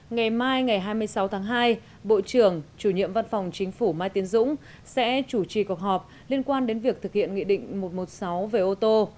ngày mai ngày hai mươi sáu tháng hai bộ trưởng chủ nhiệm văn phòng chính phủ mai tiến dũng sẽ chủ trì cuộc họp liên quan đến việc thực hiện nghị định một trăm một mươi sáu về ô tô